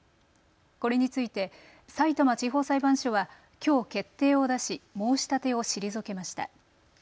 これについてさいたま地方裁判所はきょう決定を出し申し立てを退けました。